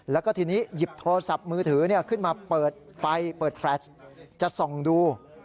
แล้วก็ทีนี้หยิบโทรศัพท์มือถือขึ้นมาเปิดไฟเปิดแฟลชจะส่องดู